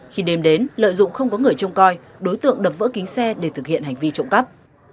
khi đêm đến lợi dụng không có người trông coi đối tượng đập vỡ kính xe để thực hiện hành vi trộm cắp